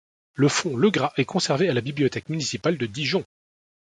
Le Fonds Legras est conservé à la Bibliothèque municipale de Dijon.